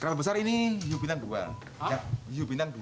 kerambab besar ini hiu pinang dua